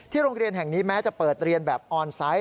โรงเรียนแห่งนี้แม้จะเปิดเรียนแบบออนไซต์